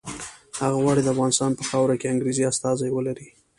هغه غواړي د افغانستان په خاوره کې انګریزي استازي ولري.